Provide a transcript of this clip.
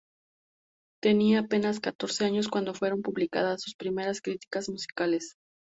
Tenía apenas catorce años cuando fueron publicadas sus primeras críticas musicales.